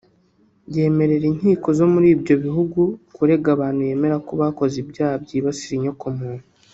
yemerera inkiko zo muri icyo gihugu kurega abantu yemera ko bakoze ibyaha byibasira inyoko muntu